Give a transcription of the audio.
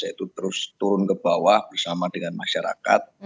yaitu terus turun ke bawah bersama dengan masyarakat